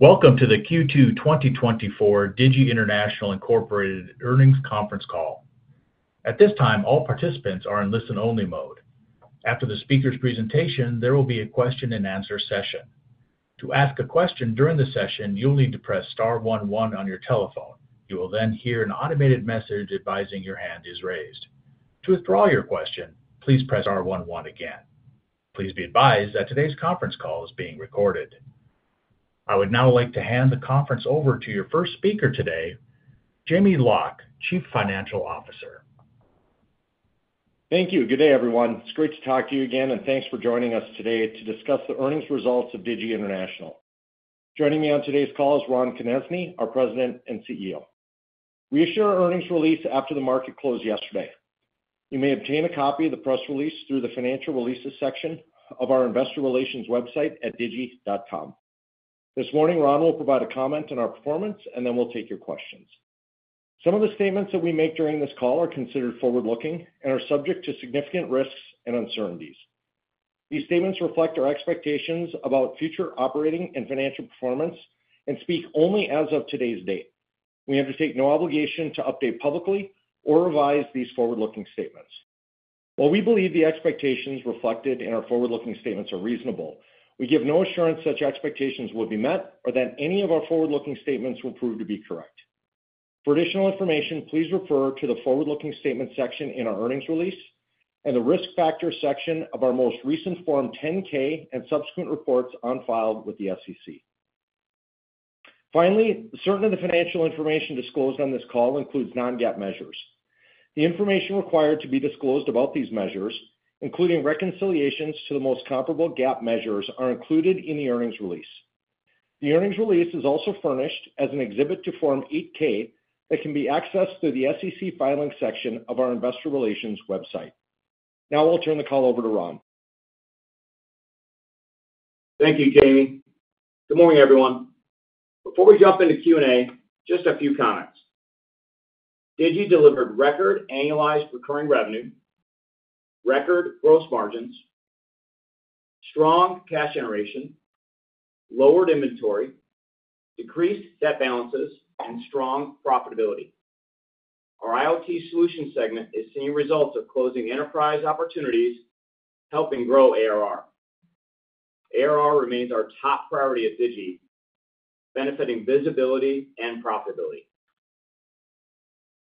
Welcome to the Q2 2024 Digi International Incorporated Earnings Conference Call. At this time, all participants are in listen-only mode. After the speaker's presentation, there will be a question-and-answer session. To ask a question during the session, you'll need to press star one one on your telephone. You will then hear an automated message advising your hand is raised. To withdraw your question, please press star one one again. Please be advised that today's conference call is being recorded. I would now like to hand the conference over to your first speaker today, Jamie Loch, Chief Financial Officer. Thank you. Good day, everyone. It's great to talk to you again, and thanks for joining us today to discuss the earnings results of Digi International. Joining me on today's call is Ron Konezny, our President and CEO. We issued our earnings release after the market closed yesterday. You may obtain a copy of the press release through the Financial Releases section of our Investor Relations website at digi.com. This morning, Ron will provide a comment on our performance, and then we'll take your questions. Some of the statements that we make during this call are considered forward-looking and are subject to significant risks and uncertainties. These statements reflect our expectations about future operating and financial performance and speak only as of today's date. We undertake no obligation to update publicly or revise these forward-looking statements. While we believe the expectations reflected in our forward-looking statements are reasonable, we give no assurance such expectations will be met or that any of our forward-looking statements will prove to be correct. For additional information, please refer to the Forward-Looking Statements section in our earnings release and the Risk Factors section of our most recent Form 10-K and subsequent reports filed with the SEC. Finally, certain of the financial information disclosed on this call includes non-GAAP measures. The information required to be disclosed about these measures, including reconciliations to the most comparable GAAP measures, are included in the earnings release. The earnings release is also furnished as an exhibit to Form 8-K that can be accessed through the SEC Filings section of our Investor Relations website. Now I'll turn the call over to Ron. Thank you, Jamie. Good morning, everyone. Before we jump into Q&A, just a few comments. Digi delivered record annualized recurring revenue, record gross margins, strong cash generation, lowered inventory, decreased debt balances, and strong profitability. Our IoT Solutions segment is seeing results of closing enterprise opportunities, helping grow ARR. ARR remains our top priority at Digi, benefiting visibility and profitability.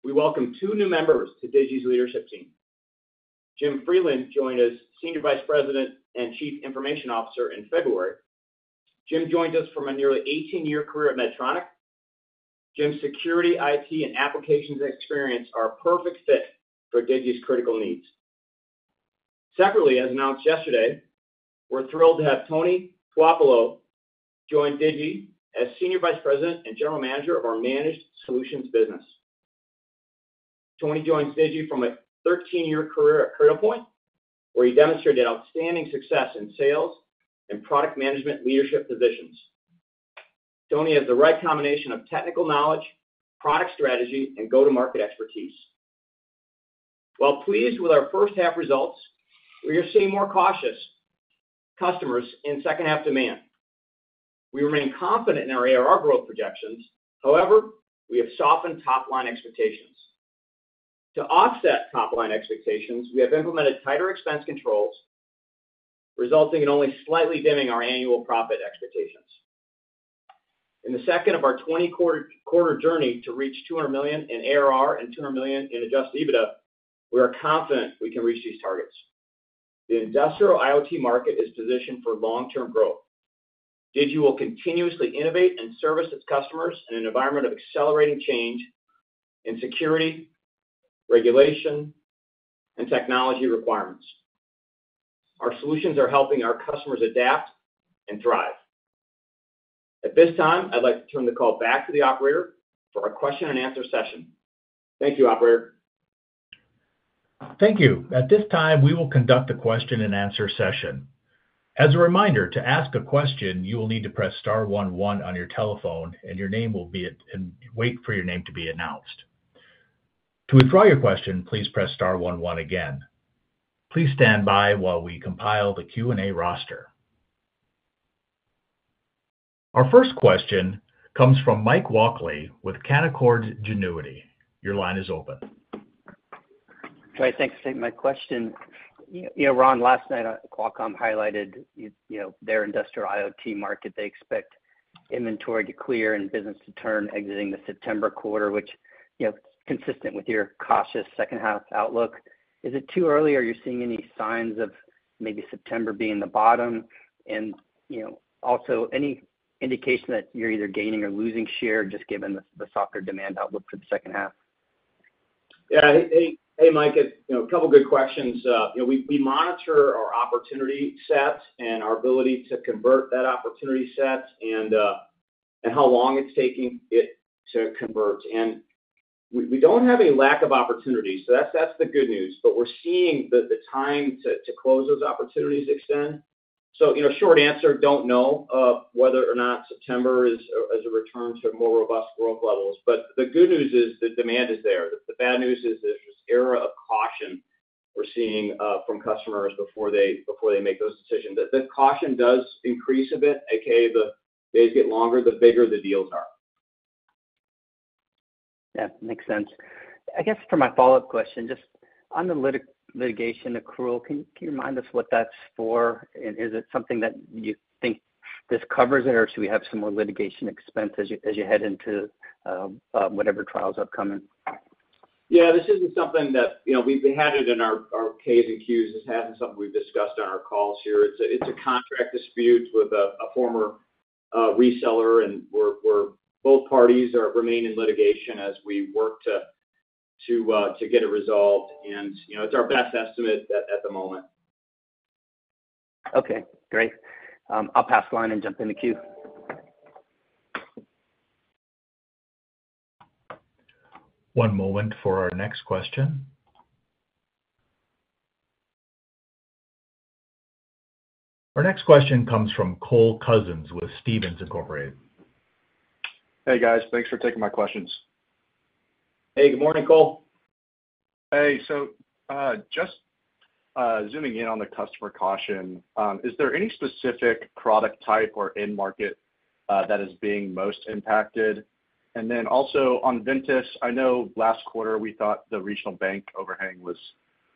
We welcome two new members to Digi's leadership team. Jim Freeland joined as Senior Vice President and Chief Information Officer in February. Jim joined us from a nearly 18-year career at Medtronic. Jim's security, IT, and applications experience are a perfect fit for Digi's critical needs. Separately, as announced yesterday, we're thrilled to have Tony Puopolo join Digi as Senior Vice President and General Manager of our Managed Solutions business. Tony joins Digi from a 13-year career at Cradlepoint, where he demonstrated outstanding success in sales and product management leadership positions. Tony has the right combination of technical knowledge, product strategy, and go-to-market expertise. While pleased with our first half results, we are seeing more cautious customers in second half demand. We remain confident in our ARR growth projections. However, we have softened top-line expectations. To offset top-line expectations, we have implemented tighter expense controls, resulting in only slightly dimming our annual profit expectations. In the second of our 20-quarter, quarter journey to reach $200 million in ARR and $200 million Adjusted EBITDA, we are confident we can reach these targets. The industrial IoT market is positioned for long-term growth. Digi will continuously innovate and service its customers in an environment of accelerating change in security, regulation, and technology requirements. Our solutions are helping our customers adapt and thrive. At this time, I'd like to turn the call back to the operator for our question-and-answer session. Thank you, operator. Thank you. At this time, we will conduct a question-and-answer session. As a reminder, to ask a question, you will need to press star one one on your telephone and wait for your name to be announced. To withdraw your question, please press star one one again. Please stand by while we compile the Q&A roster. Our first question comes from Mike Walkley with Canaccord Genuity. Your line is open. Right. Thanks. My question, you know, Ron, last night, Qualcomm highlighted, you know, their industrial IoT market. They expect inventory to clear and business to turn exiting the September quarter, which, you know, consistent with your cautious second half outlook. Is it too early, are you seeing any signs of maybe September being the bottom? And, you know, also, any indication that you're either gaining or losing share, just given the softer demand outlook for the second half? Yeah. Hey, hey, Mike, you know, a couple of good questions. You know, we monitor our opportunity sets and our ability to convert that opportunity set and how long it's taking it to convert. And we don't have a lack of opportunity, so that's the good news, but we're seeing the time to close those opportunities extend. So, you know, short answer, don't know whether or not September is a return to more robust growth levels. But the good news is the demand is there. The bad news is there's this era of caution we're seeing from customers before they make those decisions. The caution does increase a bit, AKA, the days get longer, the bigger the deals are. Yeah, makes sense. I guess for my follow-up question, just on the litigation accrual, can you remind us what that's for? And is it something that you think this covers it, or should we have some more litigation expense as you head into whatever trials upcoming? Yeah, this isn't something that, you know, we've had it in our, our K's and Q's. This hasn't something we've discussed on our calls here. It's a, it's a contract dispute with a, a former reseller, and we're, we're both parties remain in litigation as we work to, to, to get it resolved. And, you know, it's our best estimate at, at the moment. Okay, great. I'll pass the line and jump in the queue. One moment for our next question. Our next question comes from Cole Couzens with Stephens Inc. Hey, guys. Thanks for taking my questions. Hey, good morning, Cole. Hey, so, just zooming in on the customer caution, is there any specific product type or end market that is being most impacted? And then also on Ventus, I know last quarter we thought the regional bank overhang was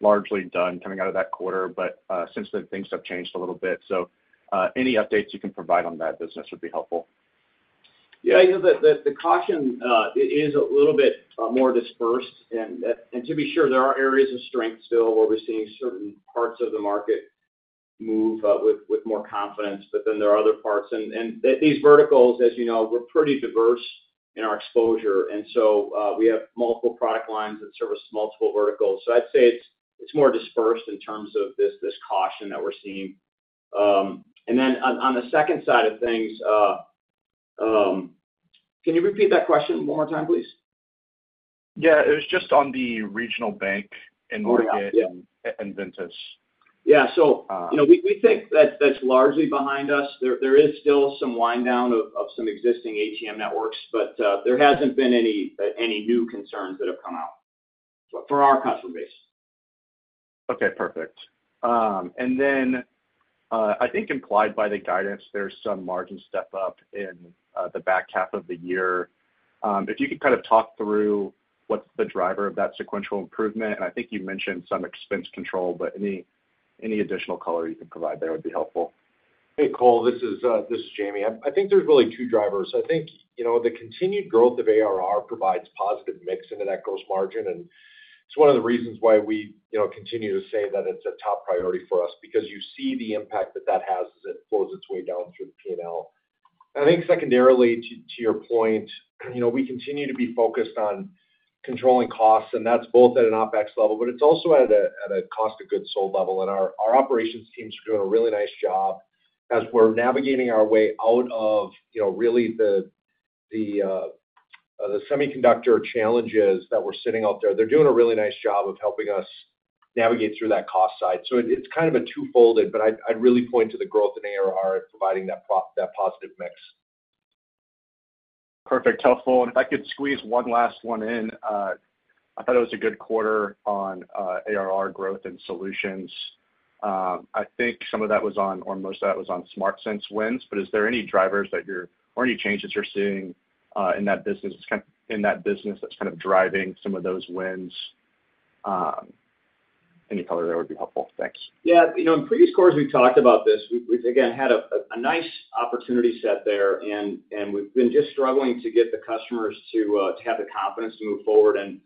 largely done coming out of that quarter, but since then, things have changed a little bit. So, any updates you can provide on that business would be helpful Yeah, you know, the caution is a little bit more dispersed. And to be sure, there are areas of strength still where we're seeing certain parts of the market move with more confidence, but then there are other parts. These verticals, as you know, we're pretty diverse in our exposure, and so we have multiple product lines that service multiple verticals. So I'd say it's more dispersed in terms of this caution that we're seeing. And then on the second side of things, can you repeat that question one more time, please? Yeah. It was just on the regional bank end market- Oh, yeah. and Ventus. Yeah. Uh- You know, we think that that's largely behind us. There is still some wind down of some existing ATM networks, but there hasn't been any new concerns that have come out for our customer base. Okay, perfect. And then, I think implied by the guidance, there's some margin step up in the back half of the year. If you could kind of talk through what's the driver of that sequential improvement, and I think you mentioned some expense control, but any additional color you can provide there would be helpful. Hey, Cole, this is Jamie. I think there's really two drivers. I think, you know, the continued growth of ARR provides positive mix into the net gross margin, and it's one of the reasons why we, you know, continue to say that it's a top priority for us because you see the impact that that has as it flows its way down through the P&L. And I think secondarily to your point, you know, we continue to be focused on controlling costs, and that's both at an OpEx level, but it's also at a cost of goods sold level. And our operations teams are doing a really nice job as we're navigating our way out of, you know, really the semiconductor challenges that were sitting out there. They're doing a really nice job of helping us navigate through that cost side. So it's kind of a twofold, but I'd really point to the growth in ARR and providing that positive mix. Perfect. Helpful. And if I could squeeze one last one in, I thought it was a good quarter on ARR growth and solutions. I think some of that was on, or most of that was on SmartSense wins, but is there any drivers or any changes you're seeing in that business, kind of, in that business that's kind of driving some of those wins? Any color there would be helpful. Thanks. Yeah. You know, in previous quarters, we've talked about this. We've again had a nice opportunity set there, and we've been just struggling to get the customers to have the confidence to move forward. And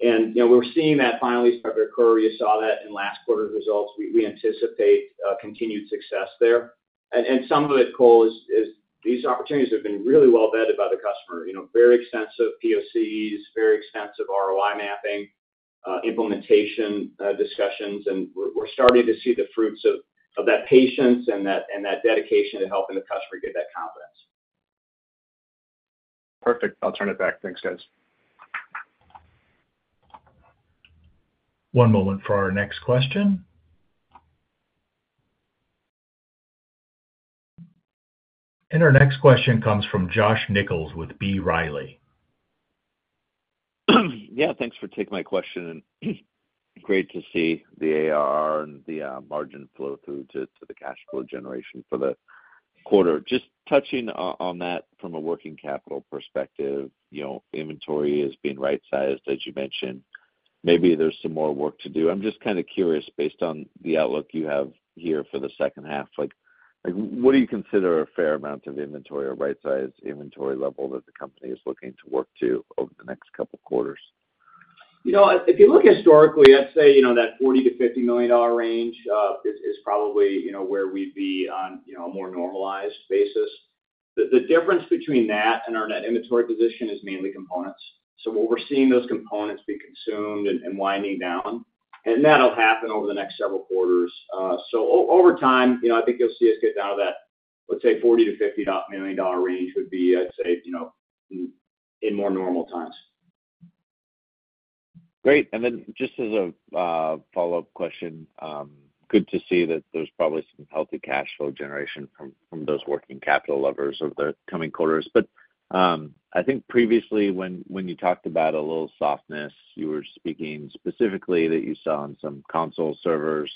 you know, we're seeing that finally start to occur. You saw that in last quarter's results. We anticipate continued success there. And some of it, Cole, is these opportunities have been really well vetted by the customer, you know, very extensive POCs, very extensive ROI mapping, implementation discussions, and we're starting to see the fruits of that patience and that dedication to helping the customer get that confidence. Perfect. I'll turn it back. Thanks, guys. One moment for our next question. Our next question comes from Josh Nichols with B. Riley. Yeah, thanks for taking my question, and great to see the ARR and the margin flow through to the cash flow generation for the quarter. Just touching on that from a working capital perspective, you know, inventory is being right-sized, as you mentioned. Maybe there's some more work to do. I'm just kind of curious, based on the outlook you have here for the second half, like, what do you consider a fair amount of inventory or right-sized inventory level that the company is looking to work to over the next couple quarters? You know, if you look historically, I'd say, you know, that $40 million-$50 million range is probably, you know, where we'd be on, you know, a more normalized basis. The difference between that and our net inventory position is mainly components. So what we're seeing those components be consumed and winding down, and that'll happen over the next several quarters. So over time, you know, I think you'll see us get down to that, let's say, $40 million-$50 million range would be, I'd say, you know, in more normal times.... Great. And then just as a follow-up question, good to see that there's probably some healthy cash flow generation from those working capital levers over the coming quarters. But, I think previously, when you talked about a little softness, you were speaking specifically that you saw on some console servers.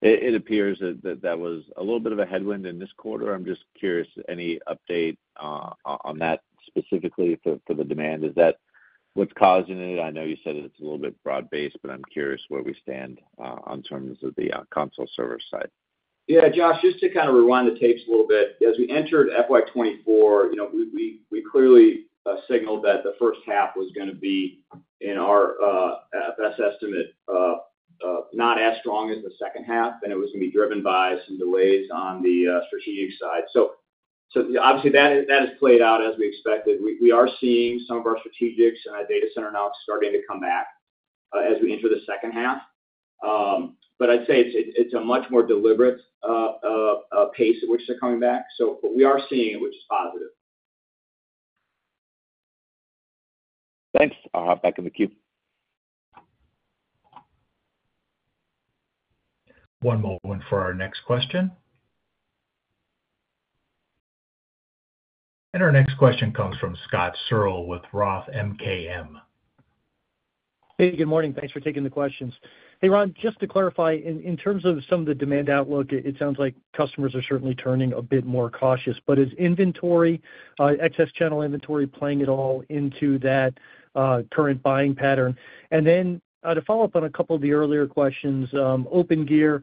It appears that that was a little bit of a headwind in this quarter. I'm just curious, any update on that specifically for the demand? Is that what's causing it? I know you said it's a little bit broad-based, but I'm curious where we stand on terms of the console server side. Yeah, Josh, just to kind of rewind the tapes a little bit, as we entered FY 2024, you know, we clearly signaled that the first half was gonna be in our FY estimate not as strong as the second half, and it was gonna be driven by some delays on the strategic side. So obviously, that has played out as we expected. We are seeing some of our strategics and our data center now starting to come back as we enter the second half. But I'd say it's a much more deliberate pace at which they're coming back, so but we are seeing it, which is positive. Thanks. I'll hop back in the queue. One moment for our next question. Our next question comes from Scott Searle with Roth MKM. Hey, good morning. Thanks for taking the questions. Hey, Ron, just to clarify, in terms of some of the demand outlook, it sounds like customers are certainly turning a bit more cautious, but is inventory, excess channel inventory, playing at all into that, current buying pattern? And then, to follow up on a couple of the earlier questions, Opengear,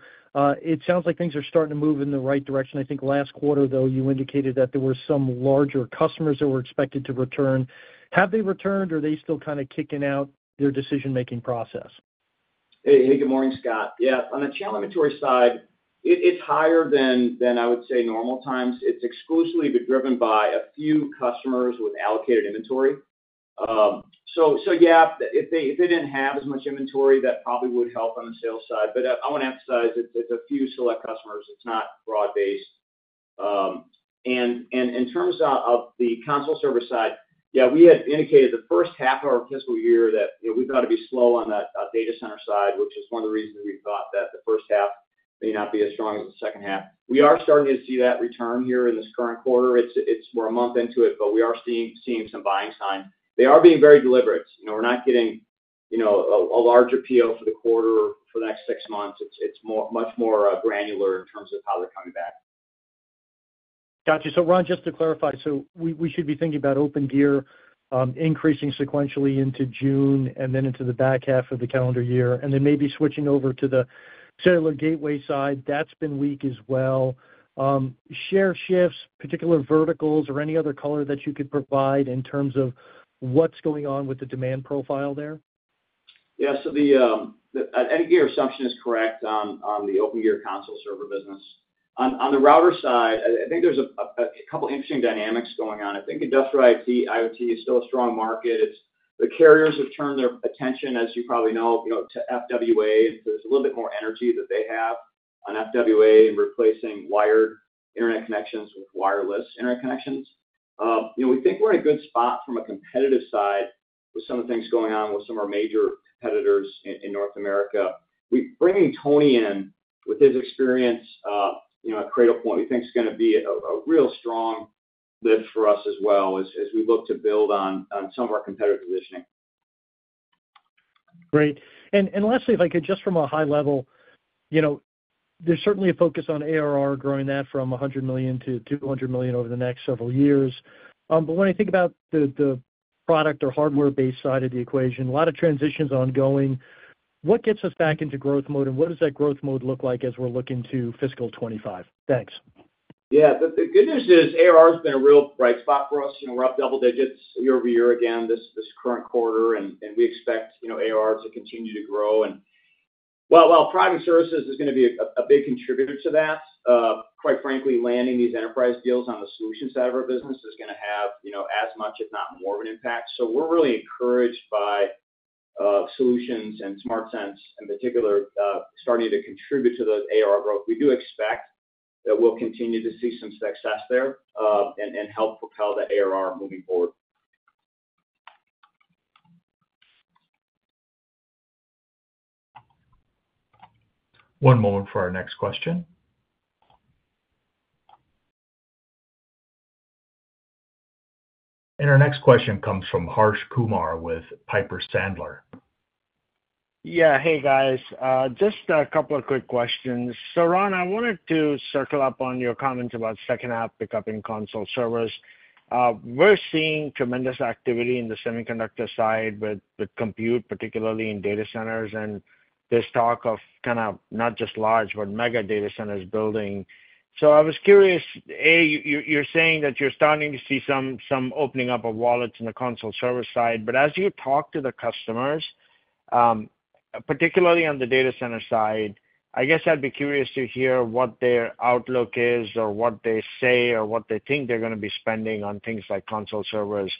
it sounds like things are starting to move in the right direction. I think last quarter, though, you indicated that there were some larger customers that were expected to return. Have they returned, or are they still kind of kicking out their decision-making process? Hey, hey, good morning, Scott. Yeah, on the channel inventory side, it's higher than I would say normal times. It's exclusively been driven by a few customers with allocated inventory. So yeah, if they didn't have as much inventory, that probably would help on the sales side. But I want to emphasize it's a few select customers. It's not broad-based. And in terms of the console server side, yeah, we had indicated the first half of our fiscal year that, you know, we thought it'd be slow on that data center side, which is one of the reasons we thought that the first half may not be as strong as the second half. We are starting to see that return here in this current quarter. It's-- we're a month into it, but we are seeing some buying sign. They are being very deliberate. You know, we're not getting, you know, a larger PO for the quarter for the next six months. It's much more granular in terms of how they're coming back. Got you. So Ron, just to clarify, so we should be thinking about Opengear, increasing sequentially into June and then into the back half of the calendar year, and then maybe switching over to the cellular gateway side, that's been weak as well. Share shifts, particular verticals, or any other color that you could provide in terms of what's going on with the demand profile there? Yeah, so the, I think your assumption is correct on the Opengear console server business. On the router side, I think there's a couple interesting dynamics going on. I think industrial IT, IoT is still a strong market. It's... The carriers have turned their attention, as you probably know, you know, to FWA. There's a little bit more energy that they have on FWA in replacing wired internet connections with wireless internet connections. You know, we think we're in a good spot from a competitive side with some of the things going on with some of our major competitors in North America. Bringing Tony in with his experience, you know, at Cradlepoint, we think is gonna be a real strong lift for us as well as we look to build on some of our competitive positioning. Great. And lastly, if I could, just from a high level, you know, there's certainly a focus on ARR, growing that from $100 million-$200 million over the next several years. But when I think about the product or hardware-based side of the equation, a lot of transitions ongoing. What gets us back into growth mode, and what does that growth mode look like as we're looking to fiscal 2025? Thanks. Yeah, the good news is ARR has been a real bright spot for us. You know, we're up double digits year-over-year again, this current quarter, and we expect, you know, ARR to continue to grow. And while product services is gonna be a big contributor to that, quite frankly, landing these enterprise deals on the solutions side of our business is gonna have, you know, as much, if not more of an impact. So we're really encouraged by solutions and SmartSense, in particular, starting to contribute to the ARR growth. We do expect that we'll continue to see some success there, and help propel the ARR moving forward. One moment for our next question. Our next question comes from Harsh Kumar with Piper Sandler. Yeah. Hey, guys. Just a couple of quick questions. So Ron, I wanted to circle up on your comments about second half pickup in console servers. We're seeing tremendous activity in the semiconductor side with compute, particularly in data centers, and this talk of kind of not just large, but mega data centers building. So I was curious, A, you're saying that you're starting to see some opening up of wallets in the console server side. But as you talk to the customers, particularly on the data center side, I guess I'd be curious to hear what their outlook is or what they say or what they think they're gonna be spending on things like console servers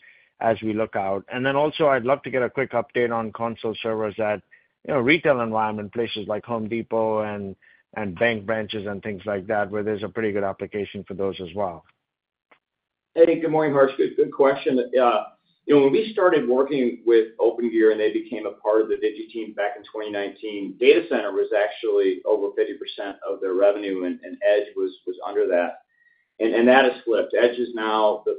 as we look out. Then also, I'd love to get a quick update on console servers at, you know, retail environment, places like Home Depot and bank branches and things like that, where there's a pretty good application for those as well.... Hey, good morning, Harsh. Good, good question. You know, when we started working with Opengear, and they became a part of the Digi team back in 2019, data center was actually over 50% of their revenue, and Edge was under that. And that has flipped. Edge is now the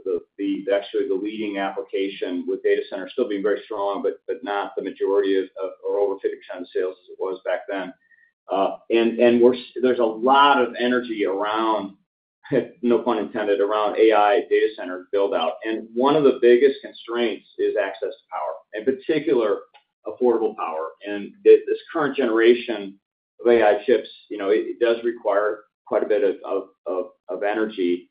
actually the leading application, with data center still being very strong, but not the majority of, or over 50% of sales as it was back then. And we're s- there's a lot of energy around, no pun intended, around AI data center build-out. And one of the biggest constraints is access to power, in particular, affordable power. And this current generation of AI chips, you know, it does require quite a bit of energy.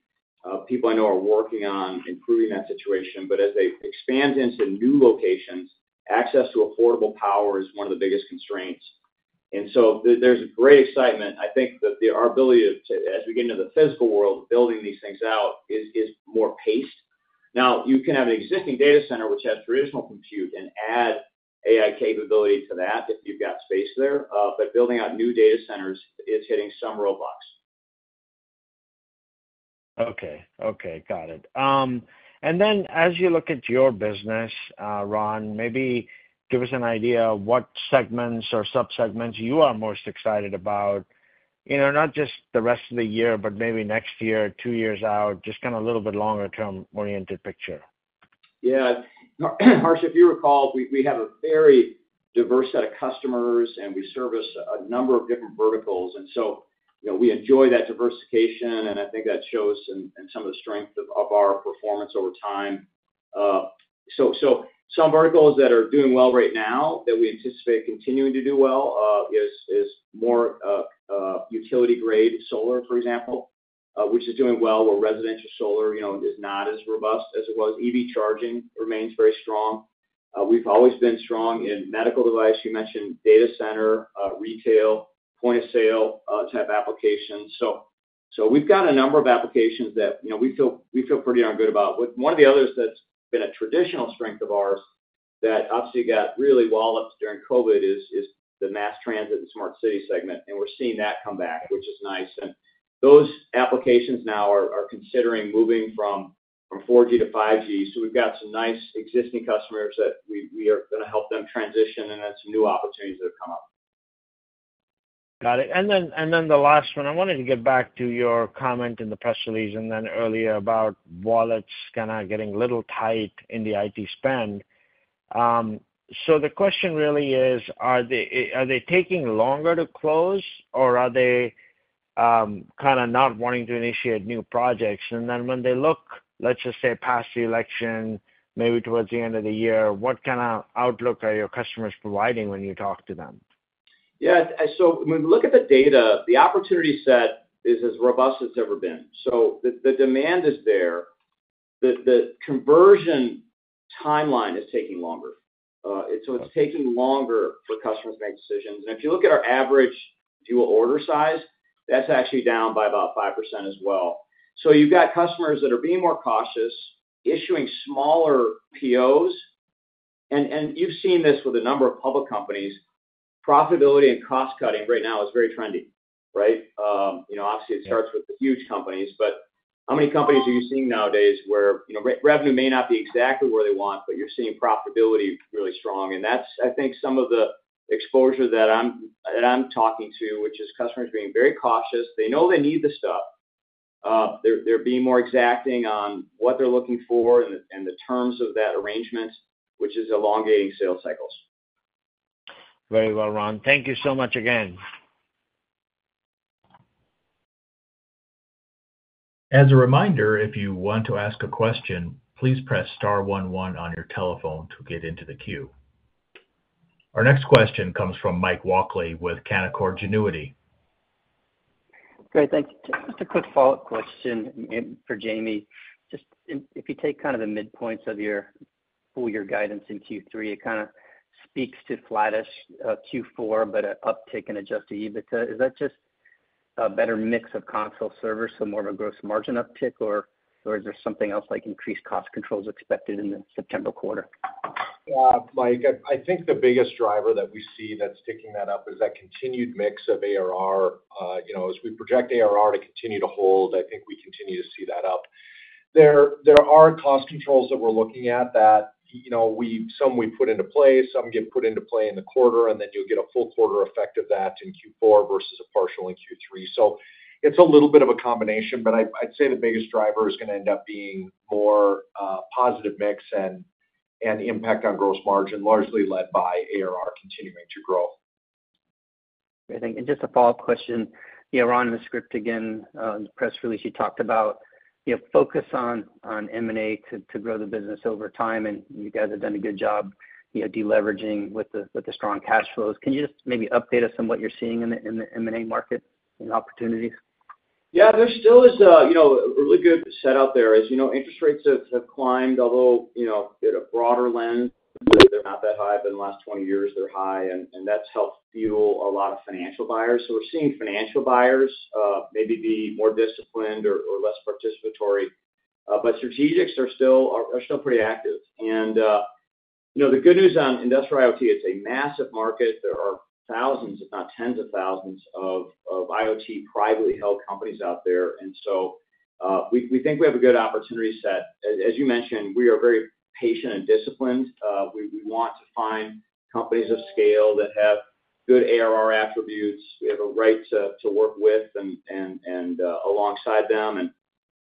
People I know are working on improving that situation, but as they expand into new locations, access to affordable power is one of the biggest constraints. And so there's great excitement. I think that the, our ability to, as we get into the physical world, building these things out is more paced. Now, you can have an existing data center which has traditional compute and add AI capability to that, if you've got space there, but building out new data centers is hitting some roadblocks. Okay. Okay, got it. And then as you look at your business, Ron, maybe give us an idea of what segments or sub-segments you are most excited about. You know, not just the rest of the year, but maybe next year, two years out, just kind of a little bit longer term-oriented picture? Yeah. Harsh, if you recall, we have a very diverse set of customers, and we service a number of different verticals, and so, you know, we enjoy that diversification, and I think that shows in some of the strength of our performance over time. So, some verticals that are doing well right now that we anticipate continuing to do well is more utility grade solar, for example, which is doing well, where residential solar, you know, is not as robust as it was. EV charging remains very strong. We've always been strong in medical device. You mentioned data center, retail, point-of-sale type applications. So, we've got a number of applications that, you know, we feel pretty darn good about. But one of the others that's been a traditional strength of ours that obviously got really walloped during COVID is the mass transit and smart city segment, and we're seeing that come back, which is nice. And those applications now are considering moving from 4G to 5G. So we've got some nice existing customers that we are gonna help them transition, and then some new opportunities that have come up. Got it. Then the last one, I wanted to get back to your comment in the press release, and then earlier about wallets kinda getting a little tight in the IT spend. So the question really is: Are they taking longer to close, or are they kinda not wanting to initiate new projects? Then when they look, let's just say, past the election, maybe towards the end of the year, what kinda outlook are your customers providing when you talk to them? Yeah, so when we look at the data, the opportunity set is as robust as it's ever been. So the demand is there. The conversion timeline is taking longer. So it's taking longer for customers to make decisions. And if you look at our average deal order size, that's actually down by about 5% as well. So you've got customers that are being more cautious, issuing smaller POs. And you've seen this with a number of public companies, profitability and cost-cutting right now is very trendy, right? You know, obviously it starts with the huge companies, but how many companies are you seeing nowadays where, you know, revenue may not be exactly where they want, but you're seeing profitability really strong? And that's, I think, some of the exposure that I'm talking to, which is customers being very cautious. They know they need the stuff. They're, they're being more exacting on what they're looking for and the, and the terms of that arrangement, which is elongating sales cycles. Very well, Ron. Thank you so much again. As a reminder, if you want to ask a question, please press star one one on your telephone to get into the queue. Our next question comes from Mike Walkley with Canaccord Genuity. Great, thank you. Just a quick follow-up question for Jamie. Just if, if you take kind of the midpoints of your full year guidance in Q3, it kind of speaks to flattish Q4, but a uptick Adjusted EBITDA. is that just a better mix of console servers, so more of a gross margin uptick, or is there something else, like increased cost controls expected in the September quarter? Yeah, Mike, I think the biggest driver that we see that's sticking that up is that continued mix of ARR. You know, as we project ARR to continue to hold, I think we continue to see that up. There are cost controls that we're looking at that, you know, some we put into play, some get put into play in the quarter, and then you'll get a full quarter effect of that in Q4 versus a partial in Q3. So it's a little bit of a combination, but I'd say the biggest driver is gonna end up being more positive mix and impact on gross margin, largely led by ARR continuing to grow. Just a follow-up question. You know, Ron, in the script again, in the press release, you talked about, you know, focus on, on M&A to, to grow the business over time, and you guys have done a good job, you know, deleveraging with the, with the strong cash flows. Can you just maybe update us on what you're seeing in the, in the M&A market and opportunities? Yeah, there still is a, you know, a really good set out there. As you know, interest rates have climbed, although, you know, in a broader lens, they're not that high, but in the last 20 years, they're high, and that's helped fuel a lot of financial buyers. So we're seeing financial buyers, maybe be more disciplined or less participatory, but strategics are still pretty active. And, you know, the good news on industrial IoT, it's a massive market. There are thousands, if not tens of thousands of IoT privately held companies out there, and so, we think we have a good opportunity set. As you mentioned, we are very patient and disciplined. We want to find companies of scale that have good ARR attributes. We have a right to work with and alongside them,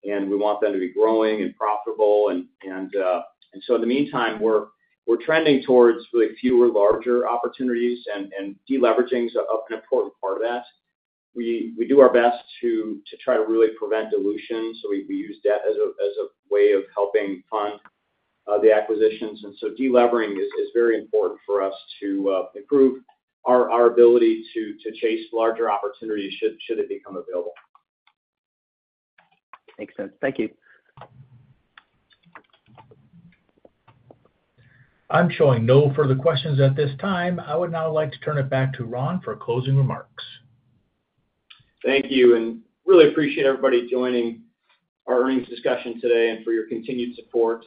and we want them to be growing and profitable. And so in the meantime, we're trending towards really fewer, larger opportunities, and deleveraging is an important part of that. We do our best to try to really prevent dilution, so we use debt as a way of helping fund the acquisitions. And so deleveraging is very important for us to improve our ability to chase larger opportunities should it become available. Makes sense. Thank you. I'm showing no further questions at this time. I would now like to turn it back to Ron for closing remarks. Thank you, and really appreciate everybody joining our earnings discussion today and for your continued support.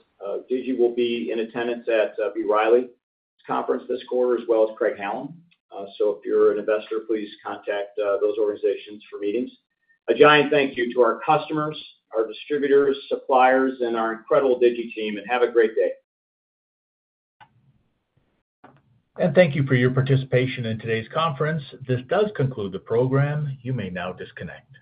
Digi will be in attendance at B. Riley Conference this quarter, as well as Craig-Hallum. So if you're an investor, please contact those organizations for meetings. A giant thank you to our customers, our distributors, suppliers, and our incredible Digi team, and have a great day. Thank you for your participation in today's conference. This does conclude the program. You may now disconnect.